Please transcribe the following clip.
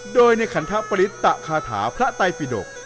โดยในขันทปริตตะคาถาพระไตปิดก